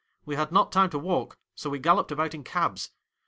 We had not time to walk, so we galloped about in cabs.